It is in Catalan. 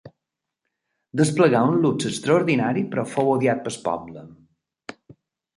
Desplegà un luxe extraordinari, però fou odiat pel poble.